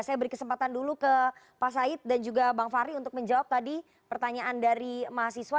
saya beri kesempatan dulu ke pak said dan juga bang fahri untuk menjawab tadi pertanyaan dari mahasiswa